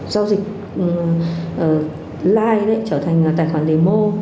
cho dịch line trở thành tài khoản demo